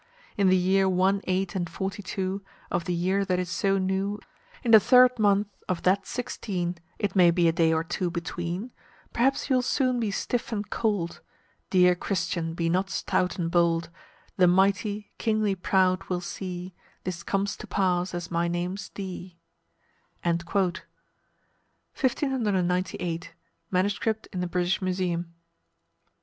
In the year one, eight, and forty two, Of the year that is so new; In the third month of that sixteen, It may be a day or two between Perhaps you'll soon be stiff and cold. Dear Christian, be not stout and bold The mighty, kingly proud will see This comes to pass as my name's Dee." 1598. Ms. in the British Museum.